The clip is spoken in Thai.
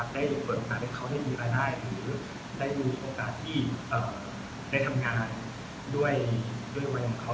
ได้เปิดโอกาสให้เขาได้มีรายได้หรือได้มีโอกาสที่ได้ทำงานด้วยวัยของเขา